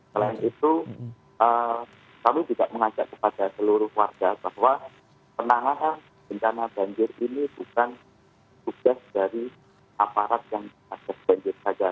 selain itu kami juga mengajak kepada seluruh warga bahwa penanganan bencana banjir ini bukan tugas dari aparat yang ada banjir saja